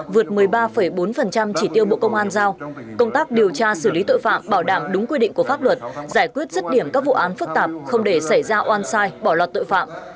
vượt một mươi ba bốn chỉ tiêu bộ công an giao công tác điều tra xử lý tội phạm bảo đảm đúng quy định của pháp luật giải quyết rứt điểm các vụ án phức tạp không để xảy ra oan sai bỏ lọt tội phạm